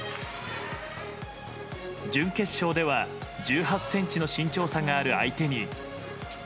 準決勝では１８ｃｍの身長差がある相手に。